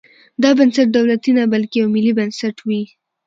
دا بنسټ دولتي نه بلکې یو ملي بنسټ وي.